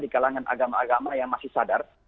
di kalangan agama agama yang masih sadar